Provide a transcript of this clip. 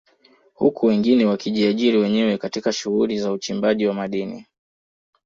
Huku wengine wakijiajiri wenyewe katika shughuli za uchimbaji wa madini